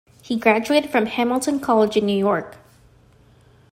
He graduated from Hamilton College in New York.